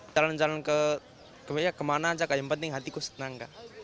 jalan jalan ke kemana aja kak yang penting hatiku senang kak